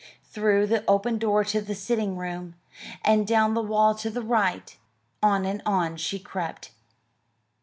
Through the open door to the sitting room, and down the wall to the right on and on she crept.